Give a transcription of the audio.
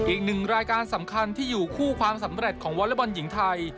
อีกหนึ่งรายการสำคัญที่อยู่คู่ความสำเร็จของวอเล็กบอลหญิงไทย